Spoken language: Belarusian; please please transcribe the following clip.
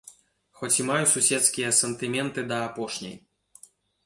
Хоць і маю суседскія сантыменты да апошняй.